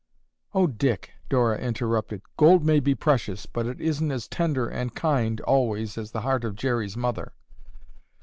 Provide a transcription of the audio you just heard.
"Oh, Dick!" Dora interrupted. "Gold may be precious, but it isn't as tender and kind, always, as the heart of Jerry's mother."